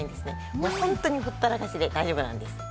ホントにほったらかしで大丈夫なんです。